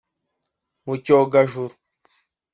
Mu cyogajuru